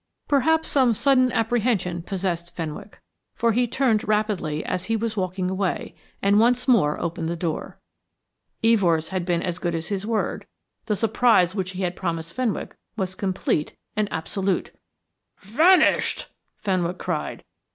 Perhaps some sudden apprehension possessed Fenwick, for he turned rapidly as he was walking away and once more opened the door. Evors had been as good as his word the surprise which he had promised Fenwick was complete and absolute. "Vanished," Fenwick cried.